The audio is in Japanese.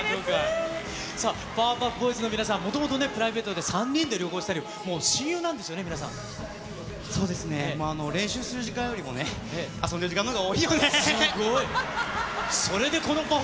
さあ、パワーパフボーイズの皆さん、もともとね、プライベートで３人で旅行したり、そうですね、もう練習する時間よりもね、遊んでる時間のほうが多いよね。